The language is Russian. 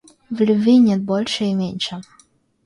В любви нет больше и меньше.